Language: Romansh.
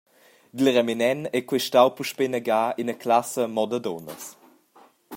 Dil reminent ei quei stau puspei inagada ina classa mo da dunnas.